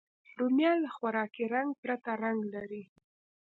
رومیان له خوراکي رنګ پرته رنګ لري